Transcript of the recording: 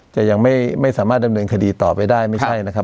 ยังไม่ไม่สามารถดำเนินคดีต่อไปได้ไม่ใช่นะครับ